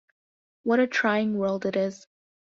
What a trying world it is!